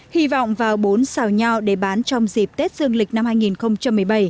hy vọng vào bốn xào nhau để bán trong dịp tết dương lịch năm hai nghìn một mươi bốn